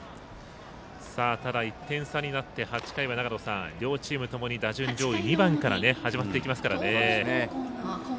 ただ１点差になって８回は両チームともに、打順上位２番から始まっていきますからね。